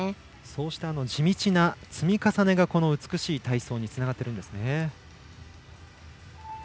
そうした地道な積み重ねが美しい体操につながっているんですね。